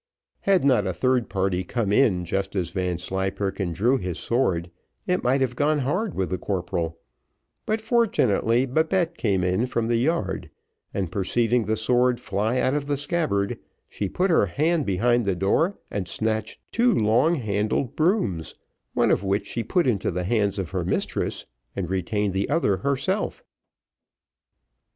Had not a third party come in just as Vanslyperken drew his sword, it might have gone hard with the corporal; but fortunately Babette came in from the yard, and perceiving the sword fly out of the scabbard, she put her hand behind the door, and snatched two long handled brooms, one of which she put into the hands of her mistress, and retained the other herself.